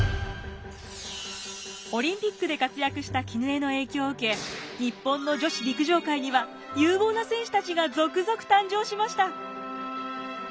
オリンピックで活躍した絹枝の影響を受け日本の女子陸上界には有望な選手たちが続々誕生しました。